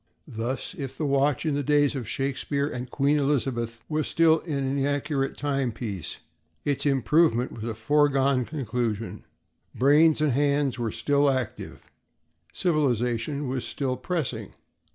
Thus, if the watch in the days of Shakespeare and Queen Elizabeth was still an inaccurate timepiece, its improvement was a foregone conclusion. Brains and hands were still active; civilization was still pressing.